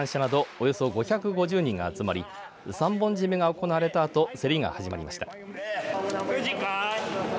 およそ５５０人が集まり三本締めが行われたあと競りが始まりました。